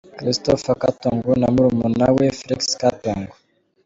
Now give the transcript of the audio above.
Christopher Katongo na murumuna we Felix Katongo.